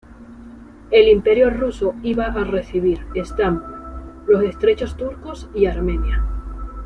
El Imperio ruso iba a recibir Estambul, los Estrechos Turcos y Armenia.